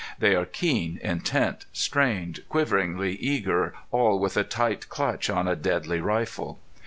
They are keen, intent, strained, quiveringly eager all with a tight clutch on a deadly rifle.